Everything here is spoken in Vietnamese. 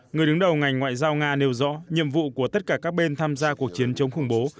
người đứng đầu ngành ngoại giao nga nêu rõ nhiệm vụ của tất cả các bên tham gia cuộc chiến chống khủng bố